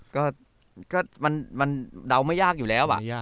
ก็มันเดาไม่ยากอยู่แล้ว